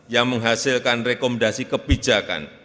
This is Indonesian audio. yang menghasilkan rekomendasi kebijakan